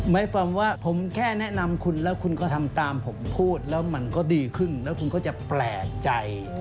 หมายความว่าผมแค่แนะนำคุณแล้วคุณก็ทำตามผมพูดแล้วมันก็ดีขึ้นแล้วคุณก็จะแปลกใจ